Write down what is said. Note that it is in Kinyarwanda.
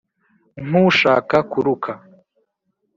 nk'ushaka kuruka